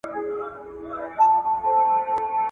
تا ته می پخوا پېیلی هار دی بیا به نه وینو ..